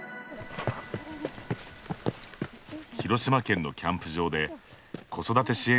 広島県のキャンプ場で子育て支援